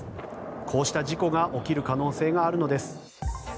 こうした事故が起きる可能性があるのです。